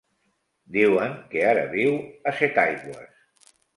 Diuen que ara viu a Setaigües.